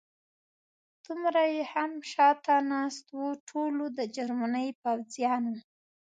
دوه یې هم شاته ناست و، ټولو د جرمني پوځیانو.